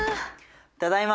ただいま。